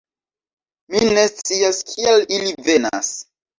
Mi ne scias, kial ili venas....